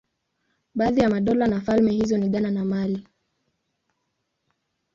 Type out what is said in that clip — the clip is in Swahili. Baadhi ya madola na falme hizo ni Ghana na Mali.